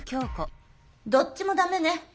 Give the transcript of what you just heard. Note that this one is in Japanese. どっちもダメね。